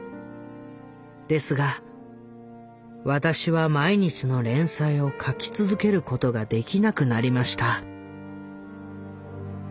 ですが私は毎日の連載を描き続けることができなくなりました」。